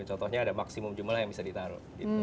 contohnya ada maksimum jumlah yang bisa ditaruh